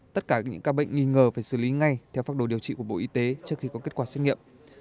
tất cả những ca bệnh nghi ngờ phải xử lý ngay theo pháp đồ điều trị của bộ y tế trước khi có kết quả xét nghiệm